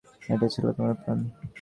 এই ছিল তোমার প্ল্যান?